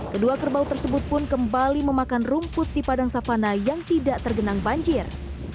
kedua kerbau tersebut pun kembali memakan rumput di padang savana yang tidak tergenang banjir